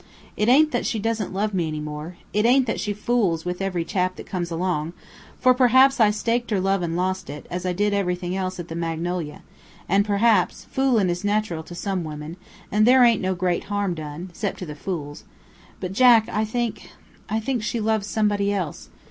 It ain't that she doesn't love me any more; it ain't that she fools with every chap that comes along, for, perhaps, I staked her love and lost it, as I did everything else at the Magnolia; and, perhaps, foolin' is nateral to some women, and thar ain't no great harm done, 'cept to the fools. But, Jack, I think I think she loves somebody else.